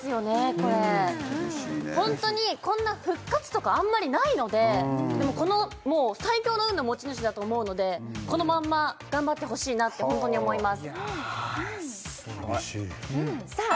これホントにこんな復活とかあんまりないのででもこのもう最強の運の持ち主だと思うのでこのまんま頑張ってほしいなってホントに思います